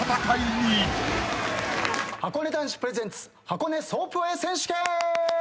はこね男子プレゼンツ箱根ソープウェイ選手権！